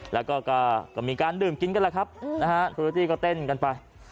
แล้วก็มีการดื่มกินกันแหละครับนะฮะฟูนิตี้ก็เต้นกันไป